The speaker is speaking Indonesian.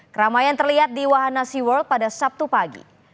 keramaian terlihat di wahana seaworld pada sabtu pagi